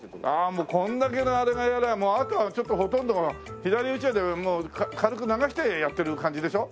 もうこれだけのあれがやりゃあもうあとはちょっとほとんどが左うちわで軽く流してやってる感じでしょ？